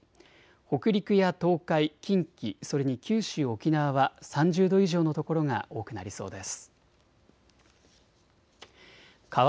北陸や東海、近畿、それに九州、沖縄は３０度以上の所が多くなりそうです。